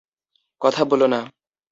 কথা বোলো না।